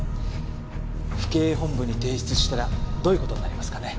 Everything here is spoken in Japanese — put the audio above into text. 府警本部に提出したらどういう事になりますかね？